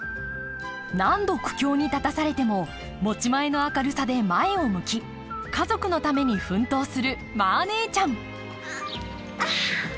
何度苦境に立たされても持ち前の明るさで前を向き家族のために奮闘するマー姉ちゃんあ！